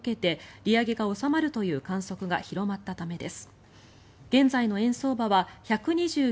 利上げが収まるという観測が広まったためです。